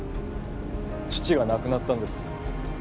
父が亡くなったんです